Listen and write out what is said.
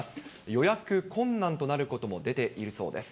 予約困難となることも出ているそうです。